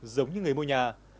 giống như người mua nhà